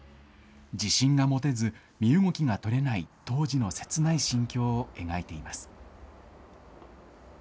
自信が持てず、身動きが取れない当時の切ない心境を描いています。